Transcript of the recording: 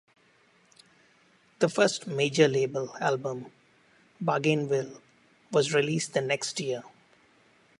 Their first major-label album, "Bargainville", was released the next year.